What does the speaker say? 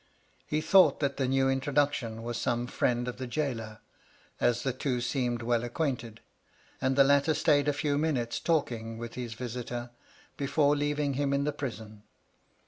He thought that the new intro duction was some friend of the gaoler, as the two seemed well acquainted, and the latter stayed a few minutes talking with his visitor before leaving him in the prison.